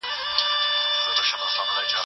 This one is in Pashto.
ښوونځي به پراخ سي.